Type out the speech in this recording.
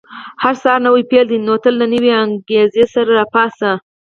• هر سهار نوی پیل دی، نو تل له نوې انګېزې سره راپاڅه.